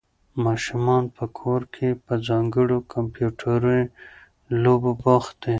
ماشومان په کور کې په ځانګړو کمپیوټري لوبو بوخت دي.